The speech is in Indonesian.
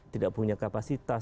tidak punya kapasitas